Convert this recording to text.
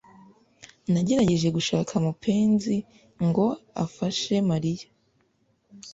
Nagerageje gushaka mupenzi ngo afashe Mariya